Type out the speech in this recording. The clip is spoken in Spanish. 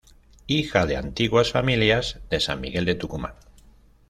Hija de antiguas familias de San Miguel de Tucumán.